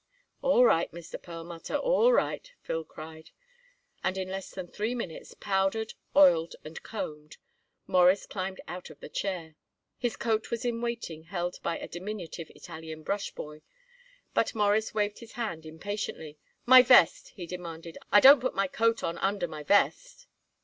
"All right, Mr. Perlmutter, all right," Phil cried, and in less than three minutes, powdered, oiled and combed, Morris climbed out of the chair. His coat was in waiting, held by a diminutive Italian brushboy, but Morris waved his hand impatiently. "My vest," he demanded. "I don't put my coat on under my vest."